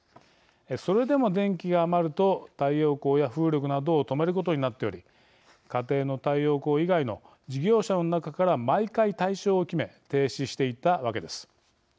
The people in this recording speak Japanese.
それでも電気が余ると太陽光や風力などを止めることになっており家庭の太陽光以外の事業者の中から毎回対象を決め停止していったわけです。